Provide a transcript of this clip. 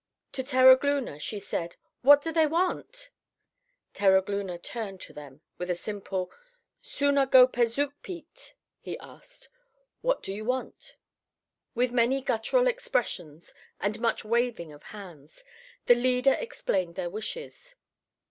To Terogloona she said: "What do they want?" Terogloona turned to them with a simple: "Suna go pezuk peet?" he asked, "What do you want?" With many guttural expressions and much waving of hands, the leader explained their wishes.